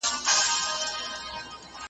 لا خبر نه یم چي تر یار که تر اغیاره ځمه .